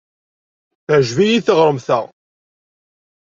Teɛjeb-iyi teɣremt-a.